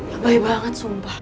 lebay banget sumpah